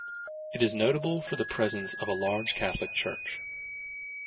It is notable for the presence of a large catholic church.